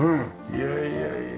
いやいやいや。